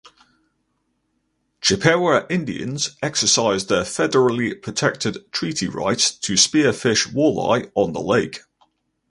Chippewa Indians exercise their federally protected treaty rights to spearfish walleye on the lake.